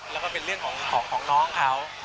แล้วก็เป็นเรื่องของน้องเขา